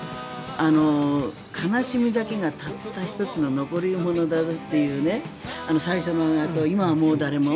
悲しみだけがたった１つの残り物だよっていう最初の、「今はもうだれも」。